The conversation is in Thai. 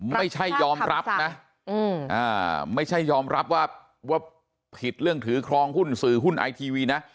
ไม่ใช่ยอมรับนะไม่ใช่ยอมรับว่าผิดเรื่องถือครองหุ้นสื่อหุ้นไอทีวีนะ